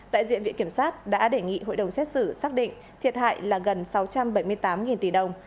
đại diện viện kiểm sát đã đề nghị hội đồng xét xử xác định thiệt hại là gần sáu trăm bảy mươi tám tỷ đồng